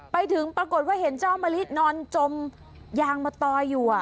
ไปถึงปรากฏว่าเห็นเจ้ามะลินอนจมยางมะตอยอยู่